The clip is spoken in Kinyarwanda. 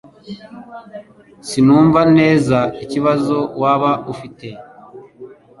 Sinumva neza ikibazo waba ufite